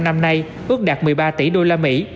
năm nay ước đạt một mươi ba tỷ đô la mỹ